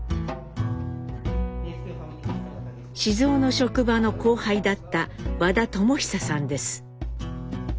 雄の職場の後輩だった和田知久さんです。